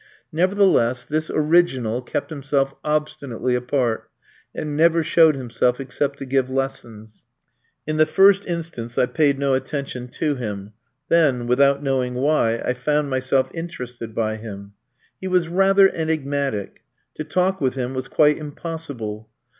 Nevertheless, this original kept himself obstinately apart, and never showed himself except to give lessons. In the first instance I paid no attention to him; then, without knowing why, I found myself interested by him. He was rather enigmatic; to talk with him was quite impossible.